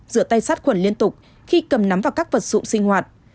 rửa tay sát khuẩn liên tục khi cầm nắm vào các vật dụng sinh hoạt